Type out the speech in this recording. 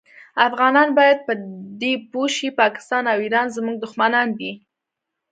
افغانان باید په دي پوه شي پاکستان او ایران زمونږ دوښمنان دي